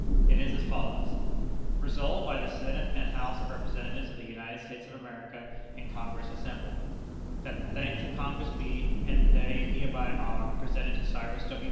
It is as follows: "Resolved, by the Senate and House of Representatives of the United States of America, in Congress assembled, That the thanks of Congress be, and they hereby are, presented to Cyrus W.